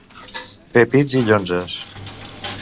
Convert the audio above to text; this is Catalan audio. Fer pits i llonzes.